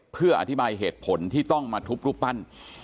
เพื่ออธิบายเหตุผลที่ต้องมาทุบรูปปั้น